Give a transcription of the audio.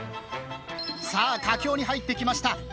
さあ佳境に入ってきました。